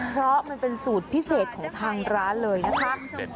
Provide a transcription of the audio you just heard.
เพราะมันเป็นสูตรพิเศษของทางร้านเลยนะคะ